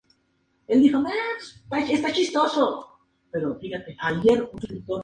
El parque posee zonas para acampar a las cuales se puede acceder con vehículos.